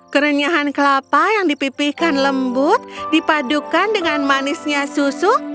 kerenyahan kelapa yang dipipihkan lembut dipadukan dengan manisnya susu